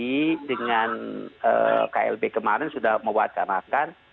jadi dengan klb kemarin sudah mewacanakan